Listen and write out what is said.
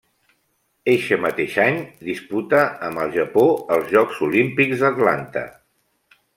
Eixe mateix any disputa amb el Japó els Jocs Olímpics d'Atlanta.